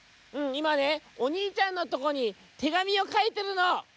「うんいまねおにいちゃんのとこに手紙をかいてるの」。